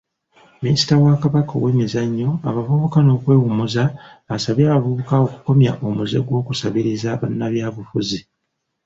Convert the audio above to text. Minisita wa Kabaka ow'emizannyo abavubuka n'okwewummuza, asabye abavubuka okukomya omuze gw'okusabiriza bannabyabufuzi.